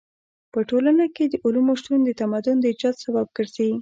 په ټولنه کې د علومو شتون د تمدن د ايجاد سبب ګرځي.